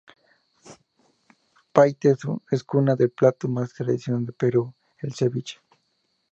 Paita es cuna del plato más tradicional de Perú, el ceviche.